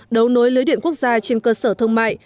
đấu nối lưới điện quốc gia trên cơ sở thương mại